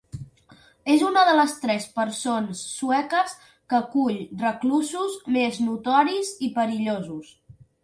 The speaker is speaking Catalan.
És una de les tres presons sueques que acull els reclusos més notoris i perillosos.